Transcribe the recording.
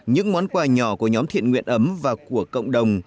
những món quà nhỏ của nhóm thiện nguyện ấm và của cộng đồng